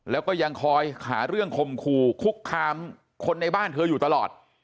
แล้วก็ยังคอยหาเรื่องคมคู่คุกคามคนในบ้านเธออยู่ตลอด